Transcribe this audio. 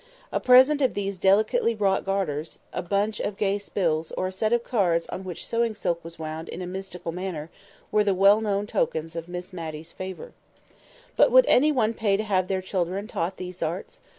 A present of these delicately wrought garters, a bunch of gay "spills," or a set of cards on which sewing silk was wound in a mystical manner, were the well known tokens of Miss Matty's favour. But would any one pay to have their children taught these arts?